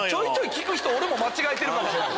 聞く人俺も間違えてるかもしれない。